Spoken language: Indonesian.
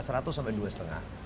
seratus sampai dua lima